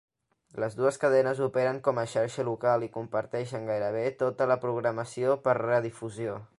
Les dues cadenes operen com a xarxa local i comparteixen gairebé tota la programació per redifusió.